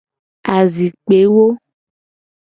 Azikpewo.